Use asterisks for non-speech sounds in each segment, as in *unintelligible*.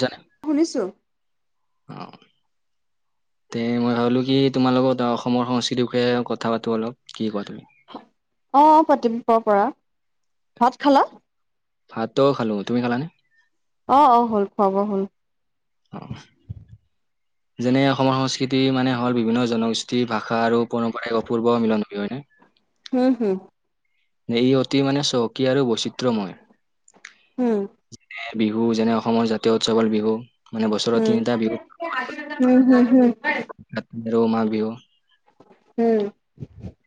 জনে শুনিছো। অ তে মই ভাবিলো কি তোমাৰ লগত অসমৰ সংস্কৃতিৰ বিষয়ে কথা পাতো অলপ কি কোৱা তুমি? *inaudible* অ পাতিম প পৰা ভাত খালা? ভাতটো খালো, তুমি খালানে? অ অ হল খুৱা বোৱা হল। আহ। যেনে অসমৰ সংস্কৃতি মানে হল বিভিন্ন জনগোষ্ঠী ভাষা আৰু পৰম্পাৰে অপূৰ্ব মিলন ভূমি, হয়নে? হম হম। ই অতি মানে চহকী আৰু বৈচিত্ৰময় উম বিহু যেনে অসমৰ জাতীয় উৎসৱৰ বিহু মানে বছৰত উ উম তিনিটা বিহু হো হো হো কাতি আৰু মাঘ বিহু উম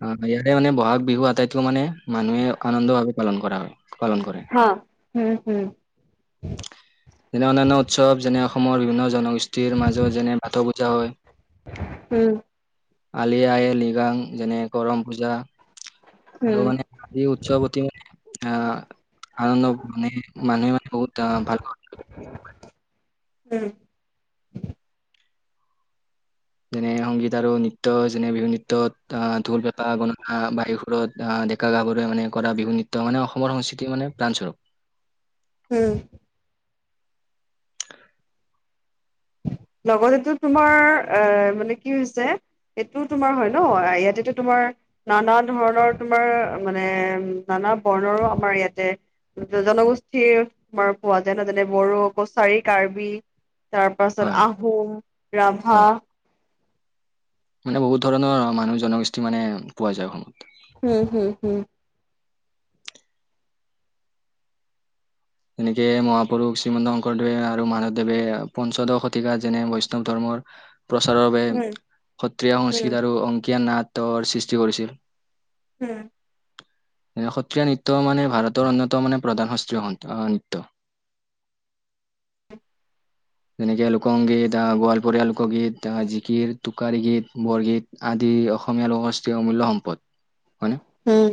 আহ ইয়াৰে মানে ব'হাগ বিহু আটাইতকৈ মানে মানুহে আনন্দ ভাৱে পালন কৰা হয়। পালন কৰে হা উম হোম। যেনে অনান্য উৎসৱ যেনে অসমৰ বিভিন্ন জনগোষ্ঠ- ষ্টিৰ মাজত যেনে বাথো পূজা হয়। হুম আলি আই লিগাং যেনে কৰম পূজা আৰু হুম মানে আজি উৎসৱতি মানে আহ আনন্দ মানে মানুহে মানে বহুত আহ ভাল উম। যেনে সংগীত আৰু নৃত্য যেনে বিহু নৃত্যত আহ ঢোল পেপা গগণা বায়ু সুৰত আহ ডেকা গাভৰুৱে মানে কৰা বিহু নৃত্য মানে অসমৰ সংস্কৃতি মানে প্ৰাণস্বৰূপ। উম। লগতে এইটো তোমাৰ এ মানে কি হৈছে সেইটো তোমাৰ হয় ন ইয়াতেতো তোমাৰ নানা ধৰণৰ তোমাৰ মানে বৰ্ণৰো আমাৰ ইয়াতে জনগোষ্ঠীৰ আমাৰ পোৱা যায় নহয় যেনে বড়ো কছাৰী কাৰ্বি তাৰ পাছত হয় হয় আহোম ৰাভা হয়। মানে বহুত ধৰণৰ মানুহ জনগোষ্ঠী মানে পোৱা যায় অসমত উম হম হম। এনেকে মহাপুৰুষ শ্ৰীমন্ত শংকৰদেৱে আৰু মাধৱদেৱে পঞ্চদশ শতিকা যেনে বৈষ্ণৱ ধৰ্মৰ প্ৰচাৰৰ বাবে উম, সত্ৰীয়া উম, সংস্কৃত আৰু অংকীয়া নাট ৰ সৃষ্টি কৰিছিল। উম। সত্ৰীয়া নৃত্য মানে ভাৰতৰ অন্যতম মানে প্ৰধান সস্ত্ৰীয়হন অ নিত্য। যেনেকে লোকসংগীত আহ গোৱালপৰীয়া লোকগীত জিকিৰ টোকাৰি গীত বৰগীত। আদি অসমীয়া লোকগোষ্ঠীৰ অমূল্য সম্পদ। হয়নে উম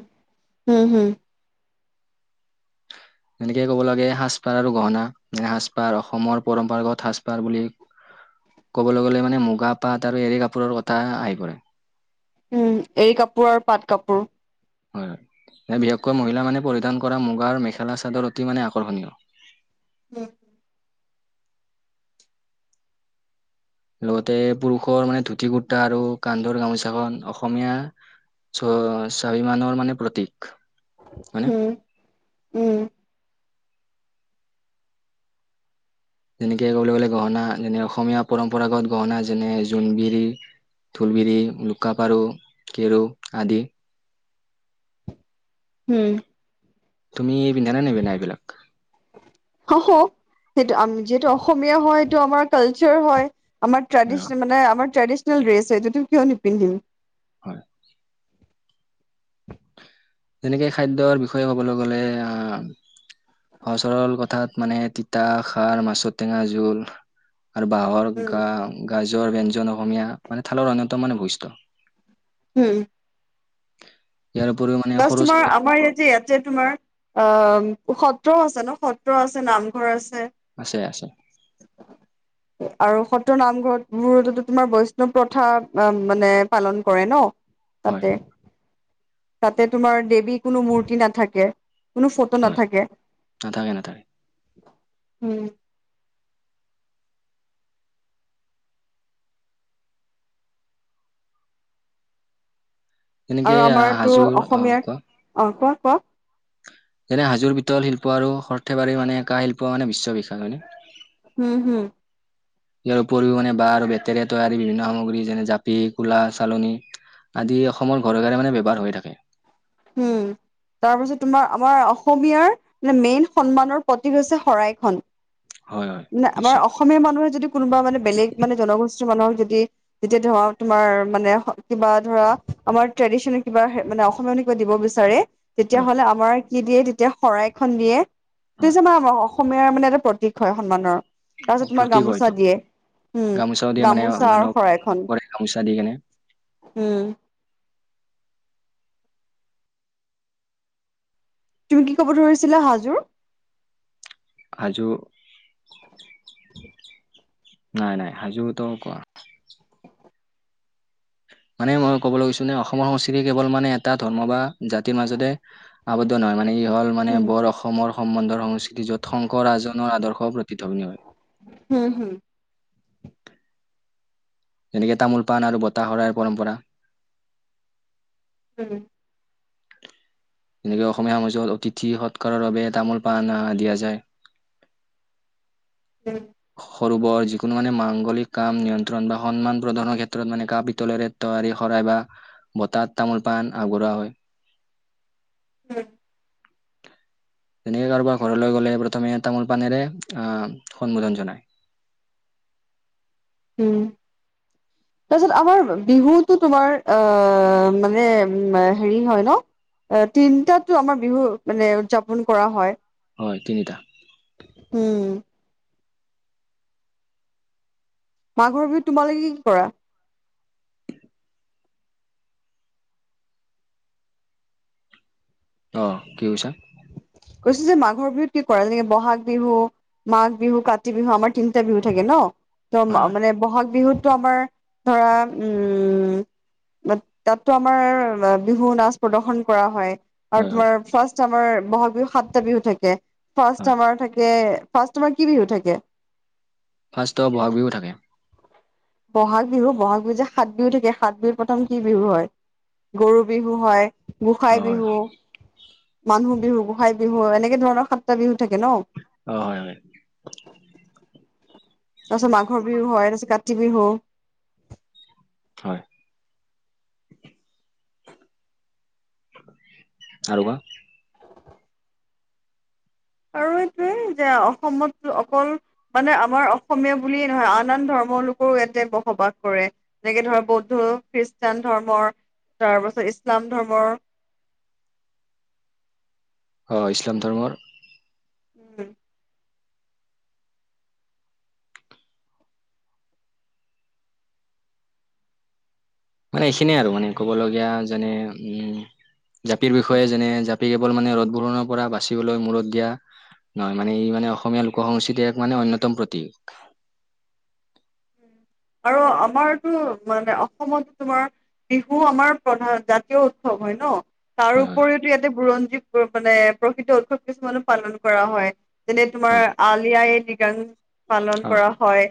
হম হম। এনেকে ক'ব লাগে সাজপাৰ আৰু গহনা সাজপাৰ অসমৰ পৰম্পৰাগত সাজপাৰ বুলি ক'বলৈ গ'লে মানে মুগা পাট আৰু এৰী কাপোৰৰ কথা আহি পৰে। উম এ কাপোৰ আৰু পাট কাপোৰ হয় হয় বিশেষকৈ মহিলা মানে পৰিধান কৰা মুগাৰ মেখেলা চাদৰ অতি মানে আকৰ্ষণীয়। *inaudible* *inaudible* লগতে পুৰুষৰ মানে ধুতি কুৰ্তা আৰু কান্ধৰ গামোচাখন অসমীয়া চ স্বাভিমানৰ মানে প্ৰতী। হয়নে উম, যেনেকে ক'বলৈ গ'লে গহনা যেনে অসমীয়া পৰম্পৰাগত গহনা যেনে জোনবিৰি ধুলবিৰি, লুকা-পাৰু, কেৰু আদি। উম তুমি *unintelligible* এইবিলাক সেইটো আম যিহেতু অসমীয়া হয় সেইটো আমাৰ কাল চাৰ হয়। আমাৰ হয় ট্ৰেডিচনেল মানে আমাৰ ট্ৰেডিচনল ড্ৰেছ সেইটো টো কিয় নিপিন্ধিম। হয় - যেনেকে খাদ্যৰ বিষয়ে ক'বলৈ গলে আহ - *unintelligible* আৰু বাঁহৰ গা গাজৰ ব্ঞ্জন অসমীয়া মানে থালৰ অন্যতম মানে বৈশিষ্ট্য। উম। ইয়াৰ পূ্ব মানে- প্লাচ্ সৰু তোমাৰ আমাৰ *unintelligible* ইয়াত তোমাৰ- অ সত্ৰও আছে ন সত্ৰ আছে নামঘৰ আছে - আছে আছে- আৰু সত্ৰ নামঘৰত বোৰো তোমাৰ বৈষ্ণৱ প্ৰথা মানে পালন কৰে ন- হয় তা'তে। তা'তে তোমাৰ দেৱী কোনো মূৰ্তি নাথাকে। কোনো ফটো হয় নাথাকে নাথাকে নাথাকে। উম। যেনেকে আৰু আহ আমাৰতো হাজোৰ অ কোৱা অসমীয়াৰ অ কোৱা কোৱা। যেনে- হাজোৰ পিতল শিল্প, আৰু সৰ্থেবাৰীৰ মানে কাহ শিল্প মানে বিশ্ব বিখ্যাত, হয় নে? উম হম। ইয়াৰ উপৰিও মানে বাঁহ আৰু বেতেৰে তৈয়াৰী বিভিন্ন সামগ্ৰী যেনে - জাপি, কুলা চালনী - আদি অসমৰ ঘৰে ঘৰে মানে ব্যৱহাৰ হৈ থাকে। উম - তাৰ পাছত তোমাৰ আমাৰ অসমীয়াৰ মানে মেইন সন্মানৰ প্ৰতীক হৈছে শৰাইখন। হয় হয় ন আমাৰ নিশ্চয় অসমীয়া মানুহে যদি কোনোবা মানে বেলেগ মানে জনগোষ্ঠী- কিছুমানৰ যদি যেতিয়া ধৰা তোমাৰ মানে কিবা ধৰা আমাৰ ট্ৰেডিচনে কিবা মানে অসমীয়া- দিব বিচাৰে তেতিয়া হয় হলে আমাৰ কি দিয়ে তেতিয়া শৰাইখন দিয়ে ত হয় যোৰ অসম - *unintelligible* মানে এটা প্ৰতীক হয় সন্মানৰ অ, তাৰপাছত তোমাৰ প্ৰতীক হয় গামোচা এইটো দিয়ে- উম গামোচাও দিয়ে মানে গামোচা আৰু মানুহক শৰাইখন। কৰে গামোচা দি কেনে উম - তুমি কি কব ধৰিছিলা হাজোৰ? আযোগ- উম- নাই নাই হাজোটো কোৱা? মানে মই ক'বলৈ গৈছো নে অসমৰ সংস্কৃতি কেৱল মানে এটা ধৰ্ম বা জাতিৰ মাজতে আৱদ্ধ নহয় মানে ই - হল মানে উম, বৰ অসমৰ সম্বন্ধৰ সংস্কৃতি য'ত শংকৰ ৰাজজনৰ আদৰ্শ প্ৰতিধ্বনী হয়। হম হম- যেনেকে তামোল পাণ আৰু বতাশৰাই পৰম্পৰা- উম- এনেকে অসমীয়া সমাজত অতিথি সৎকাৰৰ বাবে তামোল পান দিয়া যায়। উম- সৰু বৰ যিকোনো মানে মাংগলিক কাম নিয়ন্ত্ৰণ বা সন্মান প্ৰদানৰ ক্ষেত্ৰত মানে কাহ পিতলেৰে তৈয়াৰী শৰাই - বা বটা'ত তামোল পান আগৰুৱা হয় - উম- তেনেকে কাৰোবাৰ ঘৰলৈ গ'লে প্ৰথমে তামোল পানেৰে আহ সন্মোধন জনায়। উম- *unintelligible* তাৰপিছত আমাৰ বিহুটো তোমাৰ আহ মানে উ হেৰি হয় ন? অ তিনটা টো আমাৰ বিহু মানে উদ্‌যাপন কৰা হয়। হয় তিনিটা উম, মাঘৰ বিহুত তোমালোকে কি কি কৰা অ' কি কৈছা? কৈছো যে মাঘৰ বিহুত কি কৰা যেনেকে বহাগ বিহু মাঘ বিহু, কাতি বিহু আমাৰ তিনিটা বিহু থাকে ন ত হয় হয় মানে বহাগ বিহুত টো আমাৰ ধৰা উম তাতো আমাৰ বিহু নাচ প্ৰদৰ্শন কৰা হয়। আৰু হয় হয় তোমাৰ ফাৰ্ষ্ট আমাৰ বহাগ বিহু সাতটা বিহু থাকে ফাৰ্ষ্ট হয় আমাৰ থাকে। ফাৰ্ষ তোমাৰ কি বিহু থাকে ফাৰ্ষট বহাগ বিহুও থাকে বহাগ বিহু বহাগ বিহু যে সাত বিহু থাকে সাত বিহুৰ প্ৰথম কি বিহু হয় গৰু বিহু হয় গোসাই অ হয় বিহু মানুহ বিহু গোসাই বিহু এনেকে ধৰণৰ সাতটা বিহু থাকে ন অ হয় হয় তাৰ পিছত মাঘৰ বিহু হয় তাৰপিছত কাতি বিহু হয় আৰু কোৱা আৰু এইটোৱে যে অসমত অকল মানে আমাৰ অসমীয়া বুলিয়েই নহয় আন আন ধৰ্ম ধৰ্মৰ লোকৰো ইয়াতে বসবাস কৰে যেনেকে ধৰ বৌদ্ধ খ্ৰীষ্টান ধৰ্মৰ তাৰপাছত ইছলাম ধৰ্মৰ আহ ইছলাম ধৰ্মৰ উম মানে এইখিনিয়ে আৰু মানে ক'বলগীয়া যেনে উম জাপিৰ বিষয়ে যেনে জ কেৱল মানে ৰ'দবোৰৰ পৰা বাচিবলৈ মূৰত দিয়া নহয় মানে। এই মানে অসমীয়া লোক সংস্কৃতিৰ এক মানে অন্যতম প্ৰতীক। *inaudible* আৰু আমাৰ টো মানে অসমত তোমাৰ বিহু আমাৰ প্ৰধান জাতীয় উৎসৱ হয় ন। তাৰ হয় উপৰিওতো ইয়াতে বুৰঞ্জী মানে প্ৰসিদ্ধ উৎসৱ কিছুমানো পালন কৰা হয়। যেনে তোমাৰ হয় আলি আই লৃগাং পালন কৰা হয়।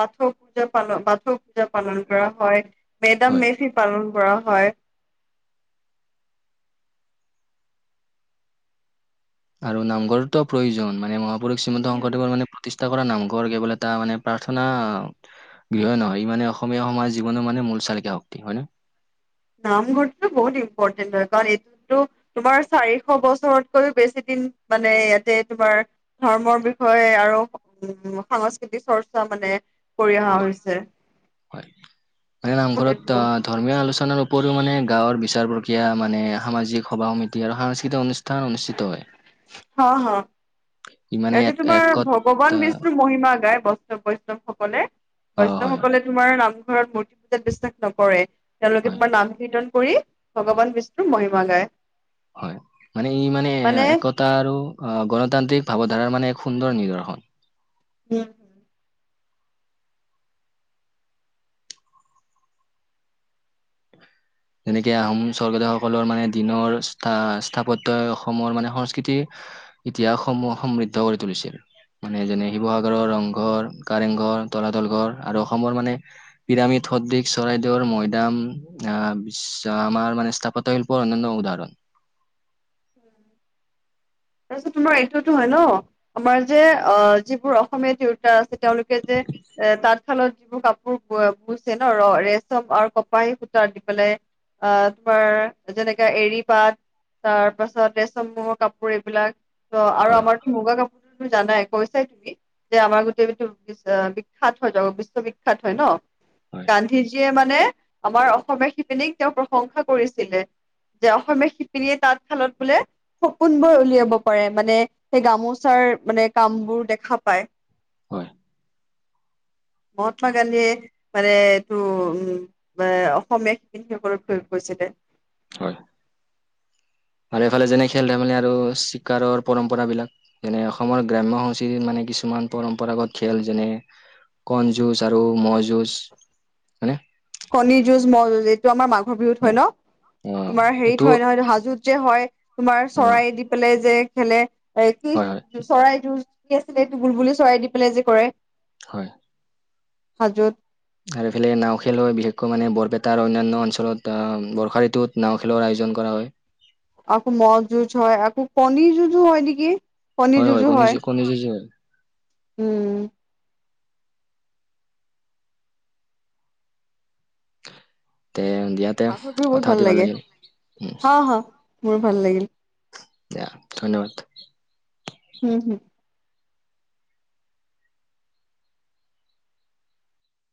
বাথৌ পূজা পালন বাথৌ পূজা পালন কৰা হয়। মেদাম হয় মেফি পালন কৰা হয়। *inaudible* আৰু নামঘৰৰো প্ৰয়োজন মান মহাপুৰুষ শ্ৰীমন্ত উম শংকৰদেৱৰ মানে প্ৰতিষ্ঠ কৰা নামঘৰ কেৱল এটা মানে প্ৰাৰ্থনা গৃহই নহয় ই মানে অসমীয়া সমাজৰ জীৱন মানে মূল চালিকা শক্তি হয় নে? নামঘৰটো বহুত ইম্পৰ্টেন্ট হয় কাৰণ এইটোতো তোমাৰ চাৰিশ বছৰতকৈও বেছি। মানে ইয়াতে তোমাৰ ধৰ্মৰ বিষয়ে আৰু উ সাংস্কৃতিক চৰ্চা মানে কৰি অহা হৈছে মানে বহুত নামঘৰত এইটো ধৰ্মীয় আলোচনাৰ মানে গাঁৱৰ বিচাৰ প্ৰক্ৰিয়া মানে সামাজিক সভা সমিতি আৰু সাংস্কৃতিক অনুষ্ঠান অনুষ্ঠিত হয়। হা হা ই মানে ইয়াতে এক তোমাৰ একত ভগৱান বিষ্ণুৰ মহিমা গায়। বৈষ্ণৱ বৈষ্ণৱ সকলে অ বৈষ্ণব হয় সকলে তোমাৰ নামঘৰত মূৰ্তি পূজাত বিশ্বাস নকৰে। তেওঁলোকে হয় তোমাৰ নাম কীৰ্তন কৰি ভগৱান বিষ্ণুৰ মহিমা গায়। হয় মানে ই মানে একতা আৰু অ' গণতান্ত্ৰিক ভাৱধাৰাৰ মানে এক সুন্দৰ নিদৰ্শন উম হম যেনেকে আহোম স্বৰ্গদেউ সকলৰ মানে দিনৰ স্থাপত্যই অসমৰ মানে সংস্কৃতি ইতিহাসসমূহ সমৃদ্ধ কৰি তুলিছিল মানে যেনে শিৱসাগৰৰ ৰংঘৰ কাৰেংঘৰ তলাতল ঘৰ আৰু অসমৰ মানে পিৰামিড সদৃশ চৰাইদেউৰ মৈদাম আহ বিশ আমাৰ মানে স্থাপত্য অনন্য উদাহৰণ *unintelligible* তাৰপিছত তোমাৰ এইটোতো হয় ন আমাৰ যে অ' যিবোৰ অসমীয়া তিৰোতা আছে তেওঁলোকে যে। এ তাঁত শালত যিবোৰ কাপোৰ বুইছে ন ৰ ৰেচম আৰু কপাহী সূতা দি পেলাই। আহ তোমাৰ যেনেকা এৰি পাত তাৰ। তাৰপাছত চমৰ কাপোৰ এইবিলাক ত আৰু হয় আমাৰতো মুগা কাপোৰ। জানাই কৈছাই তুমি যে আমাৰ গোটেইটো বিখ্যাত হয় যাব বিশ্ববিখ্যয়াত হয় ন। হয় গান্ধীজীয়ে। আমাৰ অসমীয়া শিপিনীক তেওঁ প্ৰশংসা কৰিছিলে যে অসমীয়া শিপিনীয়ে তাত শালত বোলে। সপোনবোৰ উলিয়াব পাৰে। মানে সেই গামোচাৰ মানে কাম বোৰ দেখা পায়। হয়। মহাত্মা গান্ধী। মানে এইটো উম অসমীয়া শিপিনীসকলক প্ৰয়োগ কৰিছিলে। হয়। আৰু এফালে যেনে খেল-ধেমালি আৰু চিকাৰৰ পৰম্পৰা বিলাক যেনে অসমৰ গ্ৰাম্য সংস্কৃতিৰ মানে কিছুমান পৰম্পৰাগত খেল যেনে কণী যুজ আৰু মহ' যুজ হয়নে? কণিৰ যুঁজ মহ' যুঁজ এইটো আমাৰ মাঘৰ বিহুত হয় ন। অ তোমাৰ এইটো হেৰিত হয় নহয়? হাজোত যে হয় তোমাৰ অ', চৰাই দি পেলাই যে। খেলে এ হয়, হয়, কি চৰাই যোৰি আছিলেটো বুলবুলি চৰাই দি পেলাই যে কৰে। হয়। হাজোত। আৰু এইফালে নাও খেল হয় বিশেষকৈ মানে বৰপেটাৰ অন্যান্য অঞ্চলত আহ বৰ্ষা ঋতুত নাও খেলৰ আয়ো। জন কৰা হয়। আকৌ মহ যুঁজ হয় আকৌ কনীৰ যুঁজো হয় নেকি। কণীৰ যুঁজু কণী হয় যুঁজ, কণী যুঁজ হয়। উম। তে দিয়া তে আ বহুত কথা ভাল পাতি লাগে লাগিল, উম, হ হা মোৰ ভাল লাগিল। দ ধন্যবাদ। উম উম।